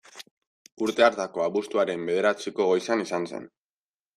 Urte hartako abuztuaren bederatziko goizean izan zen.